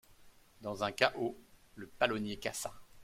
Dans un cahot le palonnier cassa.